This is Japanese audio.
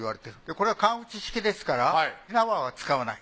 これは管打ち式ですから火縄は使わない。